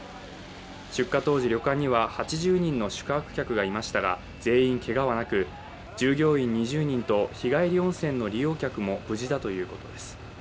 出火当時、旅館には８０人の宿泊客がいましたが全員けがはなく、従業員２０人と日帰り温泉の利用客も無事だということです。